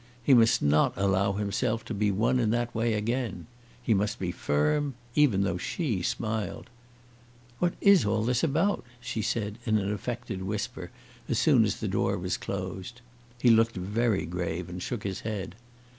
He must not allow himself to be won in that way again. He must be firm, even though she smiled. "What is all this about?" she said in an affected whisper as soon as the door was closed. He looked very grave and shook his head.